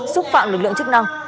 xúc phạm lực lượng chức năng